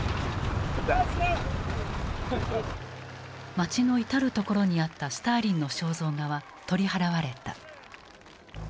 街の至る所にあったスターリンの肖像画は取り払われた。